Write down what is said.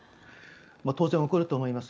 当然起こると思います。